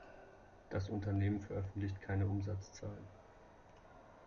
Das Unternehmen veröffentlicht keine Umsatzzahlen.